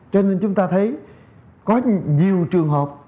cho nên chúng ta thấy có nhiều trường hợp